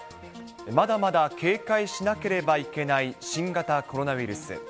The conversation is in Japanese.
まだまだ警戒しなければいけない新型コロナウイルス。